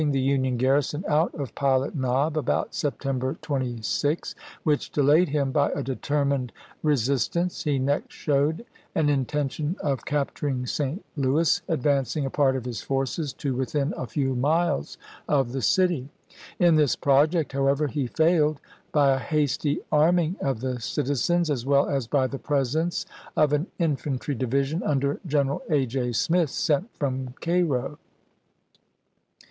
the Union garrison out of Pilot Knob, about Septem ber 26, which delayed him by a determined resist i864. ance, he next showed an intention of capturing St. Report. n T • p ± •L^^ • Moore, Louis, advancmg a part of his forces to withm a "Rebemon few miles of the city. In this project, however, he failed by a hasty arming of the citizens as well as by the presence of an infantry division under Gen eral A. J. Smith, sent from Cairo.